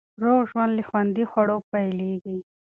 روغ ژوند له خوندي خوړو پیلېږي.